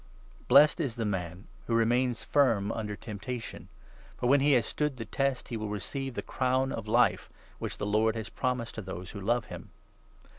Blessed is the man who remains firm under 12 >mptation. temptat; on) for) when he has stood the test, he will receive the crown of Life, which the Lord has promised to those who love him.